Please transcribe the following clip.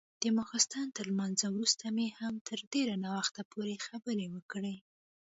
د ماخستن تر لمانځه وروسته مو هم تر ډېر ناوخته پورې خبرې وکړې.